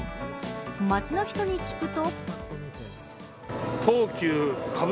街の人に聞くと。